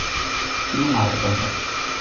煮到埋嚟就食